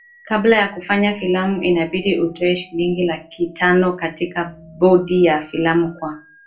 kabla ya kufanya filamu inabidi utoe shilingi laki tano katika bodi ya filamu kwa